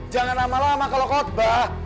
jangan lama lama kalau khutbah